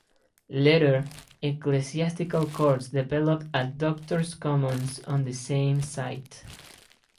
Later, ecclesiastical courts developed at Doctors' Commons on the same site.